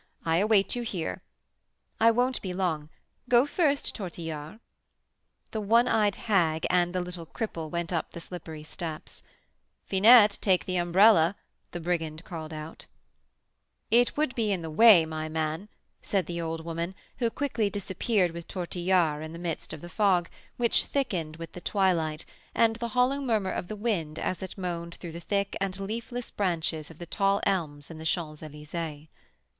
I await you here." "I won't be long. Go first, Tortillard." The one eyed hag and the little cripple went up the slippery steps. "Finette, take the umbrella," the brigand called out. [Illustration: "'Ah, Here is the 'Darling One'!'" Original Etching by Adrian Marcel] "It would be in the way, my man," said the old woman, who quickly disappeared with Tortillard in the midst of the fog, which thickened with the twilight, and the hollow murmur of the wind as it moaned through the thick and leafless branches of the tall elms in the Champs Elysées.